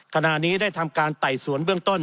ขณะนี้ได้ทำการไต่สวนเบื้องต้น